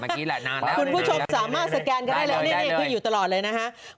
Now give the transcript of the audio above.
คุณผู้ชมสามารถสแกนกันได้เลยคืออยู่ตลอดเลยนะครับ